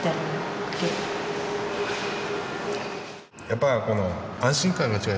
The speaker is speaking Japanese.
やっぱりこの。